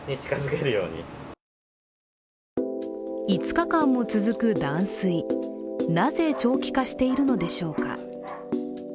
５日間も続く断水、なぜ長期化しているのでしょうか。